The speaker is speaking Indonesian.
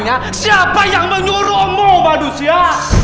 yang aku tanya siapa yang menyuruhmu manusia